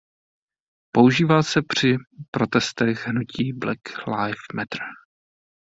Používá se při protestech hnutí Black Live Matter.